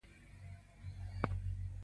استاد بسم الله خان معلومات راکړي وو.